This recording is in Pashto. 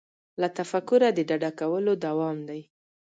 له تفکره د ډډه کولو دوام دی.